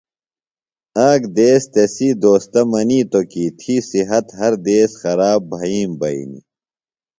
آک دیس تسی دوستہ منیتوۡ کی تھی صِحت ہر دیس خراب بھئیم بئینیۡ۔